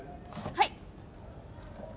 はい！